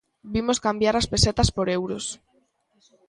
Vimos cambiar as pesetas por euros.